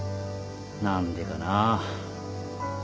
何でかな。